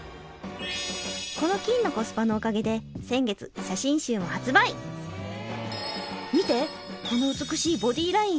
この金のコスパのおかげで先月写真集を発売見てこの美しいボディライン！